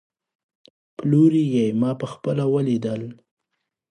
پلوري يې، ما په خپله وليدل